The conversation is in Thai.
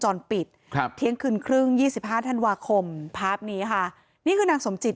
จรปิดเที่ยงคืนครึ่ง๒๕ธันวาคมภาพนี้ค่ะนี่คือนางสมจิต